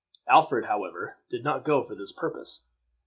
Alfred, however, did not go for this purpose.